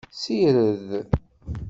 Sired!